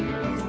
tên là kim anh